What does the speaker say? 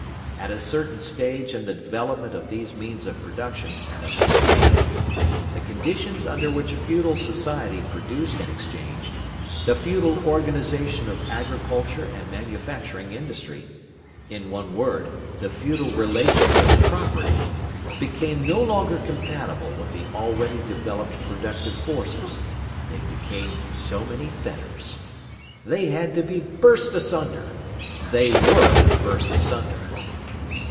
At a certain stage in the development of these means of production and of exchange, the conditions under which feudal society produced and exchanged, the feudal organisation of agriculture and manufacturing industry, in one word, the feudal relations of property became no longer compatible with the already developed productive forces; they became so many fetters. They had to be burst asunder; they were burst asunder.